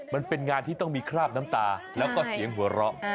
มันเป็นงานที่ต้องมีคราบน้ำตาแล้วก็เสียงหัวเราะ